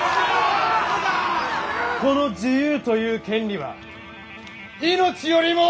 この自由という権利は命よりも重い！